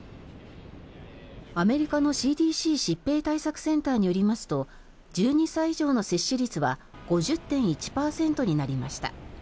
アメリカのＣＤＣ・疾病対策センターによりますと１２歳以上の接種率は５０．１％になりました。